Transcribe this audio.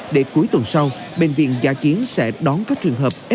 để cuối tuần sau bệnh viện giã chiến bộ y tế và bộ xây dựng sẽ tiến hành thẩm định